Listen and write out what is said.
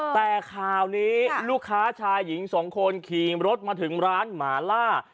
แต่ข่าวนี้ลูกค้าชายหญิงสองคนขี่รถมาถึงร้านหมาล่า